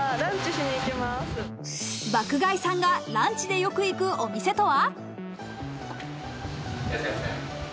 爆買いさんがランチでよく行くお店とは。